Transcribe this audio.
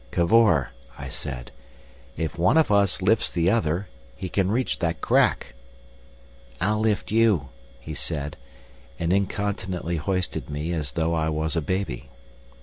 "Cavor," I said, "if one of us lifts the other, he can reach that crack!" "I'll lift you," he said, and incontinently hoisted me as though I was a baby.